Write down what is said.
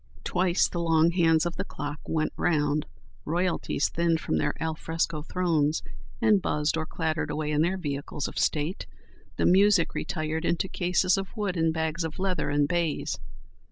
Twice the long hands of the clocks went round, Royalties thinned from their al fresco thrones, and buzzed or clattered away in their vehicles of state. The music retired into cases of wood and bags of leather and baize.